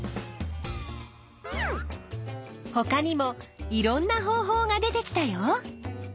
ほかにもいろんな方法が出てきたよ！